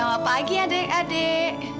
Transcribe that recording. selamat pagi adik adik